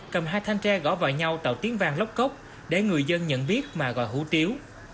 cầm hai thanh tre gõ vào nhau tạo tiếng vang lóc cốc để người dân nhận biết mà gọi hủ tiếu